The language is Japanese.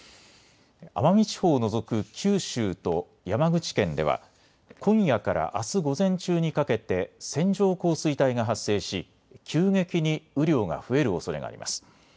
奄美地方を除く九州と山口県では今夜からあす午前中にかけて線状降水帯が発生し急激に雨量が増えるおそれがあります。